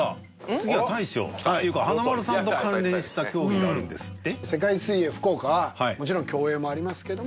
次は大将っていうか華丸さんと関連した競技があるんですって？